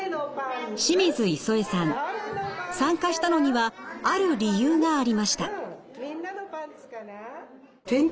参加したのにはある理由がありました。